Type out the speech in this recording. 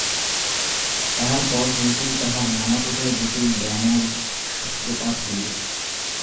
তাহার পর হইতেই তাঁহার নানাপ্রকার জটিল ব্যামোর সূত্রপাত হইল।